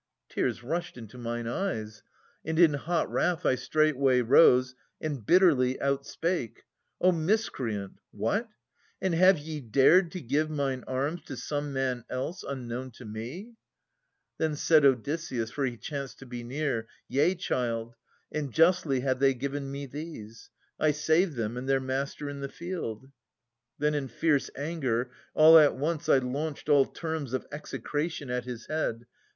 Tears rushed into mine eyes, and in hot wrath I straightway rose, and bitterly outspake :' O miscreant ! What ? And have ye dared to give Mine arms to some man else, unknown to me ?' Then said Odysseus, for he chanced to be near, 'Yea, child, and justly have they given me these. I saved them and their master in the field.' Then in fierce anger all at once I launched All terms of execration at his head.